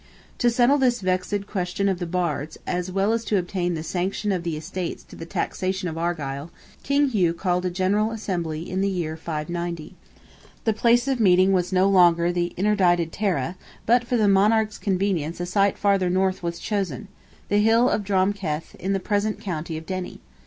To settle this vexed question of the Bards, as well as to obtain the sanction of the estates to the taxation of Argyle, King Hugh called a General Assembly in the year 590. The place of meeting was no longer the interdicted Tara, but for the monarch's convenience a site farther north was chosen—the hill of Drom Keth, in the present county of Derry.